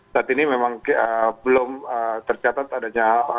saat ini memang belum tercatat adanya